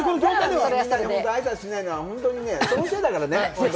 みんな、あいさつしないのはね、そのせいだからね。